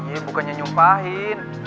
iya bukannya nyumpahin